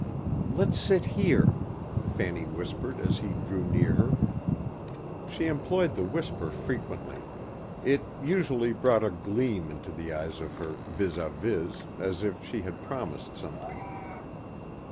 "Let's sit here," Fanny whispered as he drew near her. She employed the whisper frequently. It usually brought a gleam into the eyes of her vis â vis as if she had promised something.